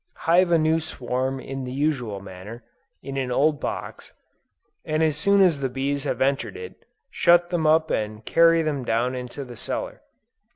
Hive a new swarm in the usual manner, in an old box, and as soon as the bees have entered it, shut them up and carry them down into the cellar.